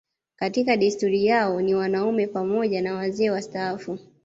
Katika desturi yao ni wanaume pamoja na wazee wastaafu